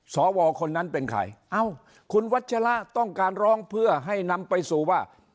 สวคนนั้นเป็นใครเอ้าคุณวัชละต้องการร้องเพื่อให้นำไปสู่ว่า